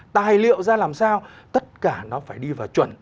tài liệu ra làm sao tất cả nó phải đi vào chuẩn